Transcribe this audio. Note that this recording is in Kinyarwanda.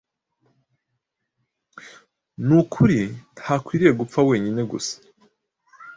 Nukuri ntakwiriye gupfa wenyine gusa